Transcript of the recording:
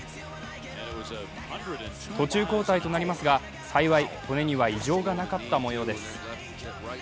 途中交代となりますが幸い骨には異常がなかったもようです。